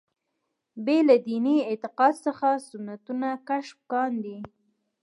بې له دیني اعتقاد څخه سنتونه کشف کاندي.